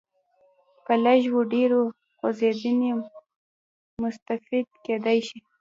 په لږ و ډېرې خوځېدنې مستفید کېدای شي.